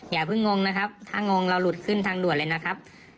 อย่าเพิ่งงงนะครับถ้างงเราหลุดขึ้นทางด่วนเลยนะครับ